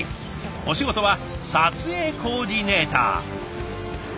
お仕事は撮影コーディネーター。